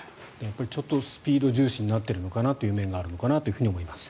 ちょっとスピード重視になってるのかなという面があるのかなと思います。